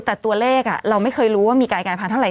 แต่ตัวเลขเราไม่เคยรู้ว่ามันกลายกลายพันธุ์เท่าไหร่